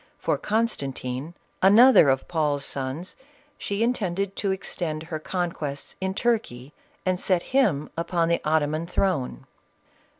For Constantine, another of Paul's sons, she intended to extend her conquests in Turkey, and seat him upon the Ottoman throne.